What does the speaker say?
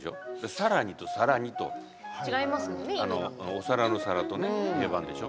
「さらに」と「皿に」とお皿の皿とね、平板でしょ。